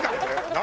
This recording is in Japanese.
何？